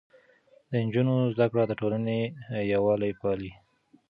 د نجونو زده کړه د ټولنې يووالی پالي.